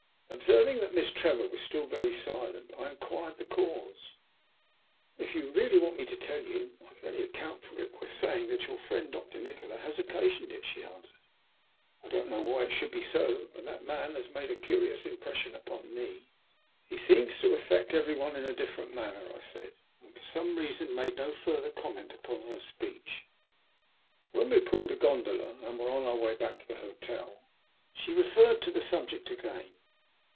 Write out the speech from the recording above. Observing that Miss Trevor was still very silent, I inquired the cause. "If you really want me to tell you, I can only account for it by saying that your friend, Doctor Nikola, has occasioned it," she answered. "I don't know why it should be so, but that man has made a curious impression upon me." "He seems to affect every one in a different manner," I said, and for some reason made no further comment upon her speech. When we had called a gondola, and were on our way back to our hotel, she referred to the subject again.